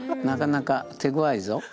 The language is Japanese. なかなか手ごわいぞ。